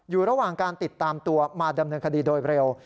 อยู่ระหว่างการติดตามตัวมาดำเนินคดีโดยเร็ว